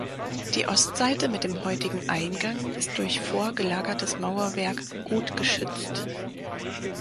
Die Ostseite mit dem heutigen Eingang ist durch vorgelagertes Mauerwerk gut geschützt.